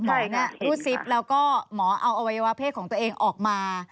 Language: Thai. รูดซิปแล้วก็หมอเอาอวัยวะเพศของตัวเองออกมา